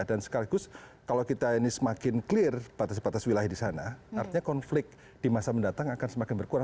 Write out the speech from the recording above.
dan sekaligus kalau kita ini semakin clear batas batas wilayah di sana artinya konflik di masa mendatang akan semakin berkurang